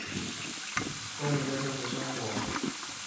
拉尼斯是德国图林根州的一个市镇。